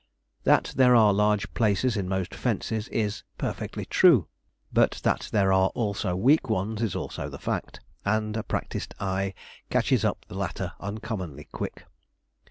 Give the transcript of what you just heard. That there are large places in most fences is perfectly true; but that there are also weak ones is also the fact, and a practised eye catches up the latter uncommonly quick.